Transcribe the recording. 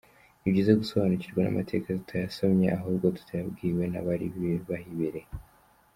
Ni byiza gusobanukirwa n’amateka tutayasomye ahubwo tuyabwiwe n’abari bahibereye.